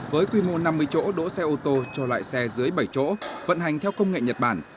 với quy mô năm mươi chỗ đỗ xe ô tô cho loại xe dưới bảy chỗ vận hành theo công nghệ nhật bản